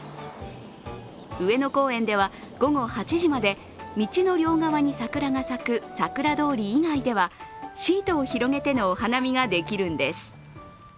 上野公園では、午後８時まで道の両側に桜が咲くさくら通り以外ではシートを広げてのお花見ができるんです。